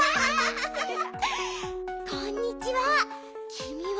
こんにちは！